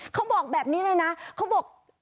เขาบอกแบบนี้เลยนะเขาบอก